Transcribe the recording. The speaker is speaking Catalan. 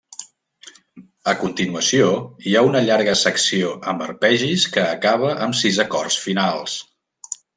A continuació hi ha una llarga secció amb arpegis que acaba amb sis acords finals.